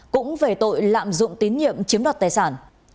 cũng về tội lạm dụng tín nhiệm chiếm đoạt tài sản